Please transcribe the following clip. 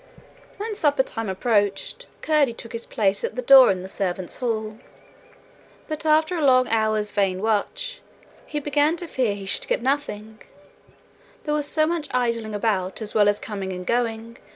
When suppertime approached, Curdie took his place at the door into the servants' hall; but after a long hour's vain watch, he began to fear he should get nothing: there was so much idling about, as well as coming and going.